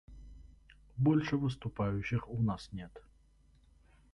Больше выступающих у нас нет.